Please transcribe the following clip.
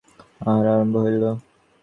আহার আরম্ভ হইল।